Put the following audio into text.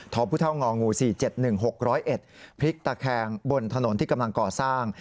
พุธงองู๔๗๑๖๐๑พลิกตะแคงบนถนนที่กำลังก่อสร้าง